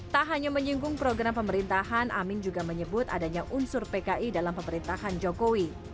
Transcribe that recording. tak hanya menyinggung program pemerintahan amin juga menyebut adanya unsur pki dalam pemerintahan jokowi